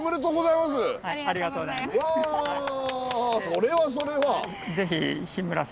それはそれは。